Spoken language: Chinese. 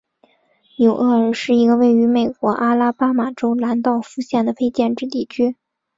纽厄尔是一个位于美国阿拉巴马州兰道夫县的非建制地区。